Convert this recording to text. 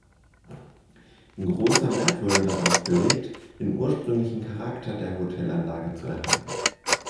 Grosser Wert wurde darauf gelegt, den ursprünglichen Charakter der Hotelanlage zu erhalten.